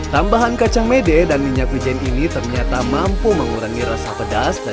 tambahan kacang mede dan minyak wijen ini ternyata mampu mengurangi rasa pedas dan